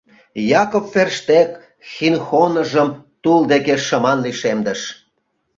— Якоб Ферштег хинхоныжым тул деке шыман лишемдыш.